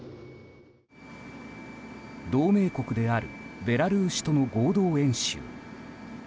同盟国であるベラルーシとの合同演習。